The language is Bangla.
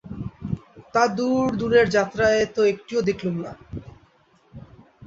তা দূর-দূরের যাত্রায় তো একটিও দেখলুম না।